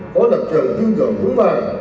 có lập trường tương tượng vững vàng